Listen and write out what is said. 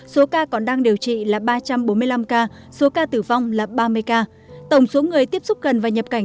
số ca còn đang điều trị là ba trăm bốn mươi năm ca số ca tử vong là ba mươi ca tổng số người tiếp xúc gần và nhập cảnh